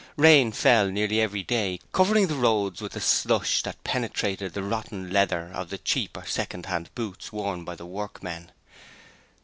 Rain fell nearly every day, covering the roads with a slush that penetrated the rotten leather of the cheap or second hand boots worn by the workmen.